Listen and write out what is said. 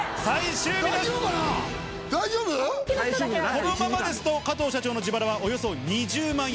このままですと、加藤社長の自腹は、およそ２０万円。